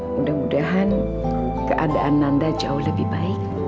mudah mudahan keadaan nanda jauh lebih baik